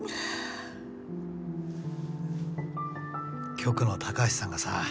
局の高橋さんがさ